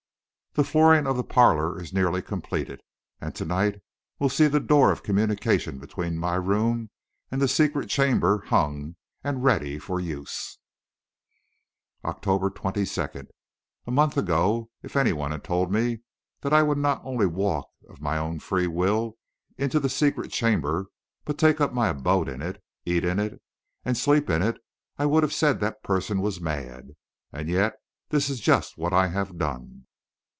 The flooring of the parlor is nearly completed, and to night will see the door of communication between my room and the secret chamber hung and ready for use. OCTOBER 22. A month ago, if any one had told me that I would not only walk of my own free will into the secret chamber, but take up my abode in it, eat in it and sleep in it, I would have said that person was mad. And yet this is just what I have done.